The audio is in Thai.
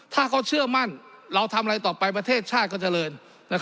ถ้าเขาเชื่อมั่นเราทำอะไรต่อไปประเทศชาติก็เจริญ